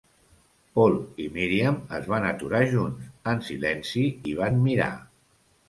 Paul i Míriam es van aturar junts, en silenci, i van mirar.